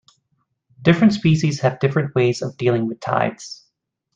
Different species have different ways of dealing with tides.